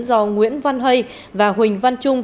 do nguyễn văn hây và huỳnh văn trung